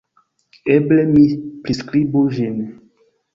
Eble mi priskribu ĝin.